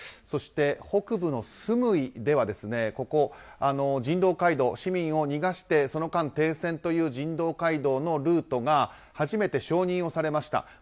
そして北部のスムイでは人道回廊市民を逃がしてその間、停戦という人道回廊のルートが初めて承認されました。